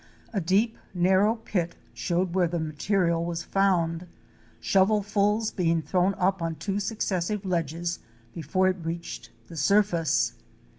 A deep narrow pit showed where the material was found, shovelfuls being thrown up on two successive ledges before it reached the surface.